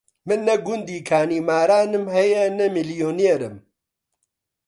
من نە گوندی کانیمارانم هەیە، نە میلیونێرم